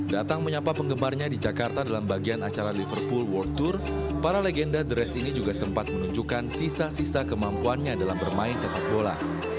datang menyapa penggemarnya di jakarta dalam bagian acara liverpool world tour para legenda the rest ini juga sempat menunjukkan sisa sisa kemampuannya dalam bermain sepak bola